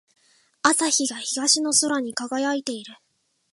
朝日が東の空に輝いている。